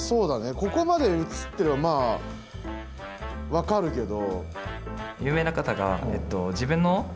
ここまで映ってればまあ分かるけど。